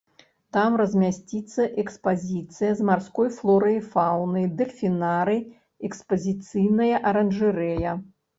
Там размясціцца экспазіцыя з марской флорай і фаунай, дэльфінарый, экспазіцыйная аранжарэя.